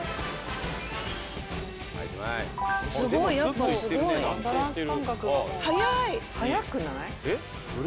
すごいやっぱすごい・バランス感覚がもう早い・早くない？